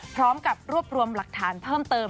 พร้อมกับรวบรวมหลักฐานเพิ่มเติม